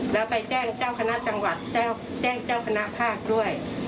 แล้วไปแจ้งเจ้าคณะจังหวัดแจ้งเจ้าคณะภาคด้วย